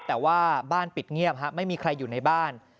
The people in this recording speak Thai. แต่ว่าบ้านปิดเงียบไม่มีใครอยู่ในบ้าน